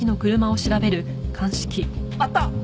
あった！